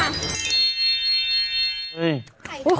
มาทอดวันนี้ค่ะกอบเลยค่ะ